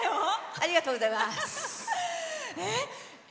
ありがとうございます。